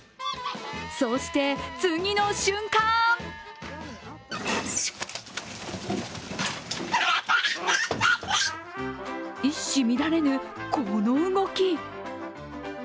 そして、次の瞬間一糸乱れぬ、この動き。